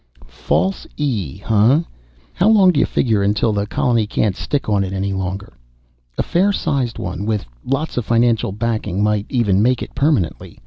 "False E, huh? How long do you figure until the colony can't stick on it any longer?" "A fair sized one, with lots of financial backing, might even make it permanently.